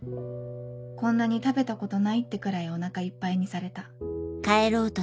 こんなに食べたことないってくらいお腹いっぱいにされた。